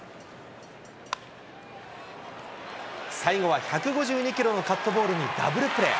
最後は１５２キロのカットボールにダブルプレー。